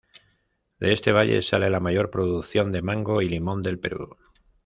De este valle sale la mayor producción de mango y limón del Perú.